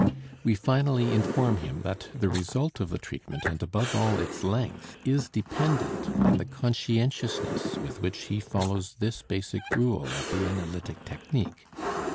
We finally inform him that the result of the treatment and above all its length is dependent on the conscientiousness with which he follows this basic rule of the analytic technique.